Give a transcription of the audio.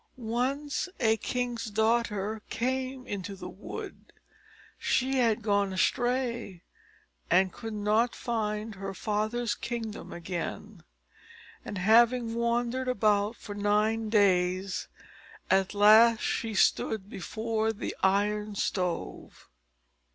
Once a king's daughter came into the wood. She had gone astray, and could not find her father's kingdom again; and having wandered about for nine days, at last she stood before the Iron Stove.